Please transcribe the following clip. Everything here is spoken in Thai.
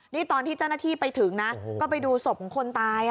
นี่ตอนที่เจ้าหน้าที่ไปถึงนะก็ไปดูศพของคนตาย